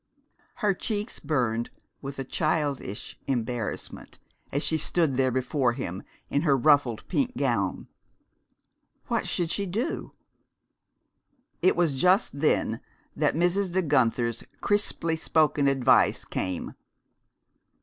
Her cheeks burned with a childish embarrassment as she stood there before him in her ruffled pink gown. What should she do? It was just then that Mrs. De Guenther's crisply spoken advice came.